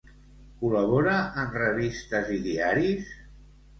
Col·labora en revistes i diaris?